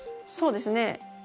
そうですね。